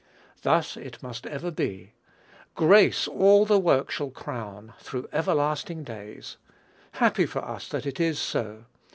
Thus it must ever be. "Grace all the work shall crown through everlasting days." Happy for us that it is so.